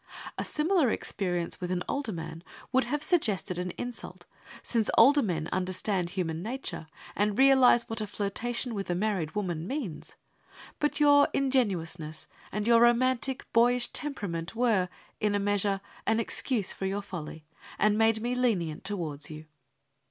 A similar experience with an older man would have suggested an insult, since older men understand human nature, and realize what a flirtation with a married woman means. But your ingenuousness, and your romantic, boyish temperament, were, in a measure, an excuse for your folly, and made me lenient toward you.